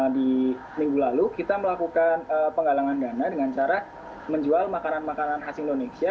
di minggu lalu kita melakukan penggalangan dana dengan cara menjual makanan makanan khas indonesia